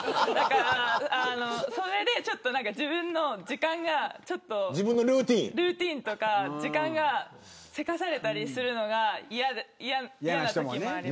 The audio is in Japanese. それで、ちょっと自分の時間がルーティンとか時間がせかされたりするのが嫌なときもあります。